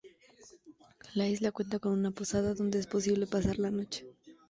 La isla cuenta con una posada donde es posible pasar la noche.